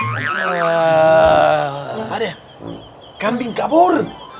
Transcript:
pade kambing kabur